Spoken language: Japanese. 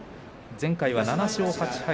前回は７勝８敗。